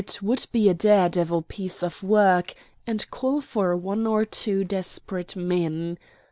It would be a dare devil piece of work, and call for one or two desperate men.